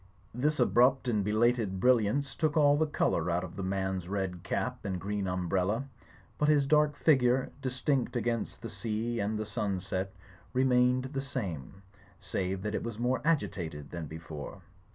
This abrupt and Digitized by CjOOQI^ A SERMON ON INNS 19 belated brilliance took all the colour out of the man's red cap and green umbrella; but his dark figure, dis tinct against the sea and the sunset, remained the same, save that it was more agitated than before.